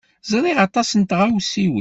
Ẓriɣ aṭas n tɣawsiwin.